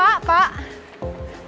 oke kita turun dulu